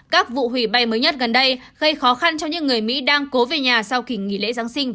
các vụ hủy bay mới nhất gần đây gây khó khăn cho những người mỹ đang cố về nhà sau kỳ nghỉ lễ giáng sinh